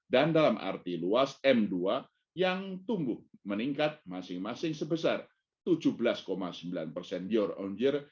dan dalam arti luas m dua yang tumbuh meningkat masing masing sebesar tujuh belas sembilan year on year